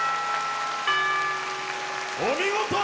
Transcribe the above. お見事！